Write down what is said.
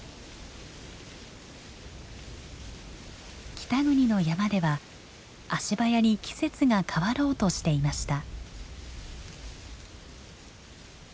北国の山では足早に季節が変わろうとしていました。